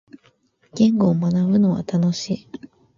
言語を学ぶのは楽しい。